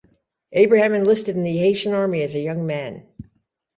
Abraham enlisted in the Haitian army as a young man.